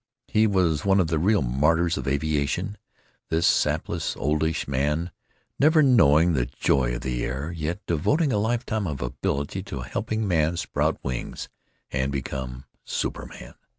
He was one of the real martyrs of aviation, this sapless, oldish man, never knowing the joy of the air, yet devoting a lifetime of ability to helping man sprout wings and become superman.